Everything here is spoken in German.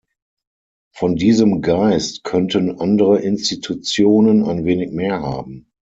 Von diesem Geist könnten andere Institutionen ein wenig mehr haben.